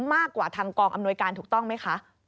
มากกว่าทางกองอำนวยการถูกต้องไหมคะ